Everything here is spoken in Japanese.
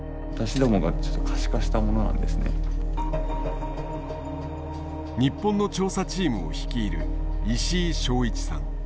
日本の調査チームを率いる石井正一さん。